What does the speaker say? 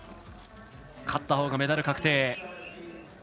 勝ったほうがメダル確定。